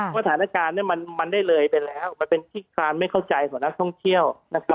สถานการณ์เนี่ยมันได้เลยไปแล้วมันเป็นที่คลานไม่เข้าใจของนักท่องเที่ยวนะครับ